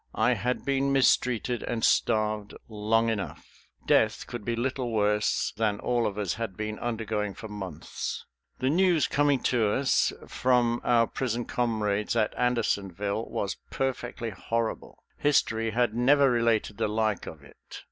I had been mistreated and starved long enough. Death could be little worse than all of us had been undergoing for months. The news coming to us from our prison comrades at Andersonville was perfectly horrible. History had never related the like of it.